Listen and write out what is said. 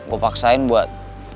gue paksain buat